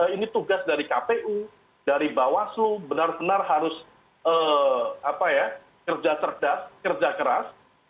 ini tugas dari kpu dari bawaslu benar benar harus kerja cerdas kerja keras